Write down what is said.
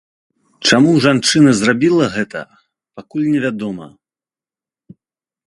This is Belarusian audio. Чаму жанчына зрабіла гэта, пакуль невядома.